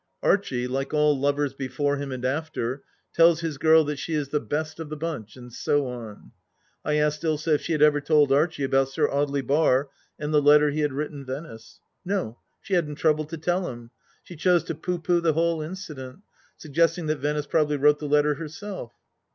Archie, like all lovers before him and after, tells hk girl that she is the best of the bunch, and so on. I asked Ilsa if she had ever told Archie about Sir Audely Bar and the letter he had written Venice. No, she hadn't troubled to tell him. She chose to pooh pooh the whole incident, suggesting that Venice probably wrote the letter herself